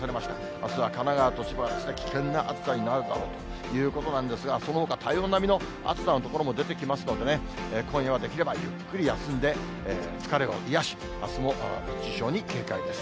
あすは神奈川と千葉は危険な暑さになるだろうということなんですが、そのほか体温並みの暑さの所も出てきますのでね、今夜はできればゆっくり休んで、疲れを癒やし、あすも熱中症に警戒です。